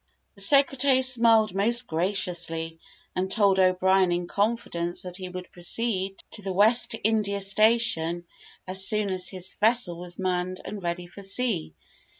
The secretary smiled most graciously, and told O'Brien in confidence, that he would proceed to the West India station as soon as his vessel was manned and ready for sea.